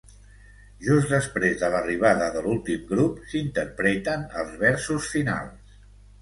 Just després de l'arribada de l'últim grup s'interpreten els versos finals.